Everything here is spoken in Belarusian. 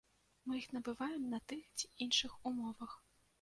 Мы іх набываем на тых ці іншых умовах.